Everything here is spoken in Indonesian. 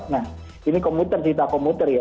nah ini komuter cerita komuter ya